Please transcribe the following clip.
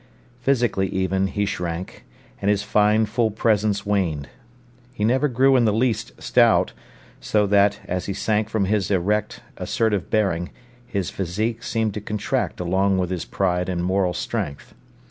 Physically even, he shrank, and his fine full presence waned. He never grew in the least stout, so that, as he sank from his erect, assertive bearing, his physique seemed to contract along with his pride and moral strength.